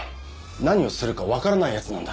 何をするか分からないヤツなんだ。